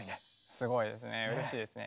すごいですね。